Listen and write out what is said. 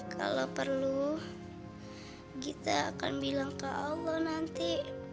kalau perlu kita akan bilang ke allah nanti